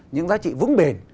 những giá trị vững bền